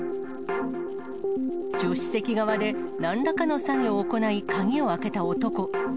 助手席側で、なんらかの作業を行い、鍵を開けた男。